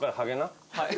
はい。